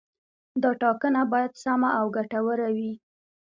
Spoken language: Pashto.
دا ټاکنه باید سمه او ګټوره وي.